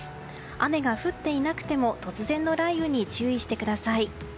雨が降っていなくても突然の雷雨に注意してください。